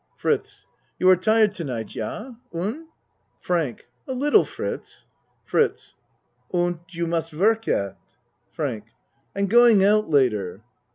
FRITZ You are tired to night, Yah? Un? FRANK A little Fritz. FRITZ Und you must work yet? FRANK I'm going out later.